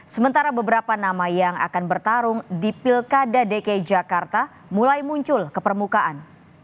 sementara beberapa nama yang akan bertarung di pilkada dki jakarta mulai muncul ke permukaan